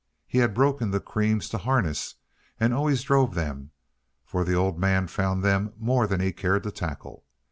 He had broken the creams to harness, and always drove them, for the Old Man found them more than he cared to tackle.